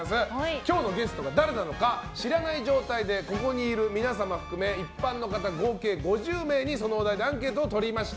今日のゲストが誰なのか知らない状態でここにいる皆様含め一般の方、合計５０名にそのお題でアンケートとりました。